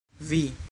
Vi!!!